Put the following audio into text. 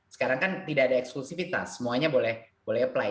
sekarang kan tidak ada eksklusifitas semuanya boleh apply